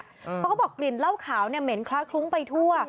เพราะเขาบอกกลิ่นเหล้าขาวเนี่ยเหม็นคล้าคลุ้งไปทั่ว